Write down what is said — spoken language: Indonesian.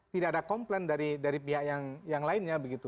tidak ada komplain dari pihak yang lainnya begitu